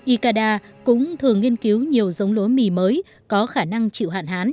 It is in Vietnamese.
icada cũng thường nghiên cứu nhiều giống lúa mì mới có khả năng chịu hạn hán